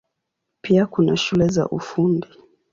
Pia kuna shule za Ufundi.